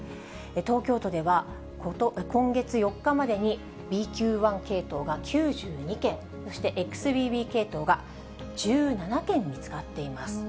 東京都では、今月４日までにＢＱ．１系統が９２件、そしてＸＢＢ系統が１７件見つかっています。